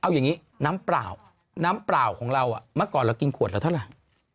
เอาอย่างนี้น้ำเปล่าน้ำเปล่าของเราเมื่อก่อนเรากินขวดละเท่าไหร่